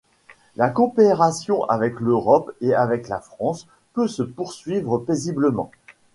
La coopération avec l'Europe et avec la France peut se poursuivre paisiblement.